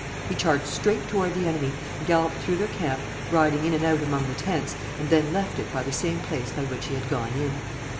He charged straight toward the enemy, galloped through their camp, riding in and out among the tents, and then left it by the same place by which he had gone in.